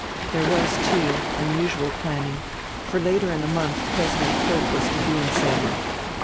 There was, too, unusual planning, for later in the month President Polk was to be in Salem.